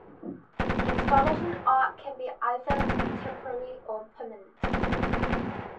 Installation art can be either temporary or permanent.